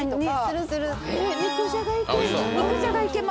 肉じゃがいける？